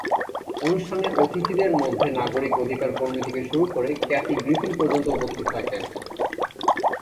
অনুষ্ঠানে অতিথিদের মধ্যে নাগরিক অধিকার কর্মী থেকে শুরু করে ক্যাথি গ্রিফিন পর্যন্ত উপস্থিত থাকেন।